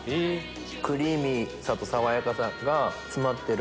クリーミーさと爽やかさが詰まってる。